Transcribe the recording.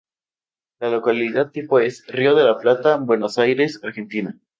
La localidad tipo es: Río de la Plata, Buenos Aires, Argentina.